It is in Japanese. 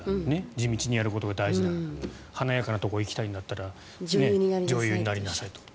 地道にやることが大事なんだと華やかなところに行きたいんだったら女優になりなさいと。